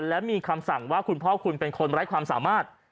และมีคำสั่งว่าคุณพ่อคุณเป็นคนไร้ความสามารถ